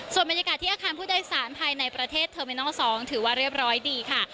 ส่วนบรรยากาศที่อาคารผู้โดยสารภายในประเทศเทอร์มินอล๒ถือว่าเรียบร้อยดีค่ะ